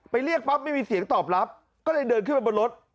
เรียกปั๊บไม่มีเสียงตอบรับก็เลยเดินขึ้นไปบนรถ